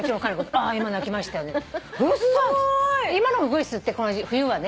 今のウグイスって冬はね。